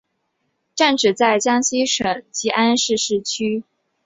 站址在江西省吉安市市区。